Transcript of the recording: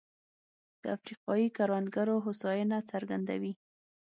د افریقايي کروندګرو هوساینه څرګندوي.